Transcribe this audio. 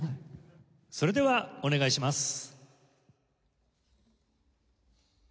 それではお願いします。